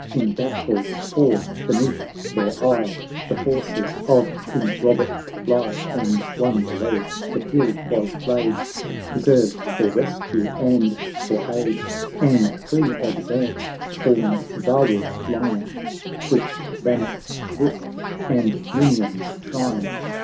In battles four beneath their eye, The forces of King Bobert lie." And one below the hill was laid, Reserved for rescue and for aid ; And three, advanced, formed vaward line, Twixt Bannock's brook and Ninian's shrine.